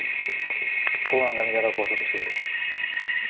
公安が身柄を拘束している。